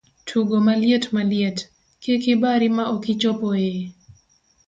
Tugo Maliet Maliet, kik ibari ma okichopo eeee!